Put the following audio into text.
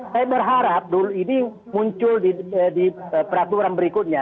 saya berharap dulu ini muncul di peraturan berikutnya